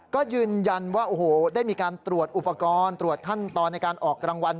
ก็ยืนยันว่าโอ้โหได้มีการตรวจอุปกรณ์ตรวจขั้นตอนในการออกรางวัล